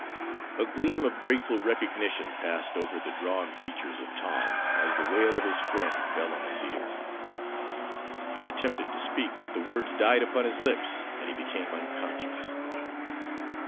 A gleam of grateful recognition passed over the drawn features of Tom, as the wail of his friend fell on his ear. He attempted to speak, but the words died upon his lips, and he became unconscious.